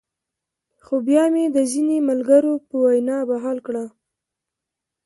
خو بيا مې د ځينې ملګرو پۀ وېنا بحال کړۀ -